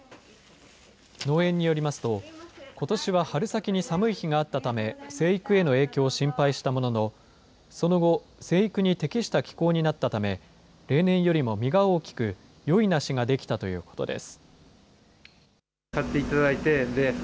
農園によりますと、ことしは春先に寒い日があったために生育への影響を心配したものの、その後、生育に適した気候になったため、例年よりも実が大きく、よい梨が出来たということです。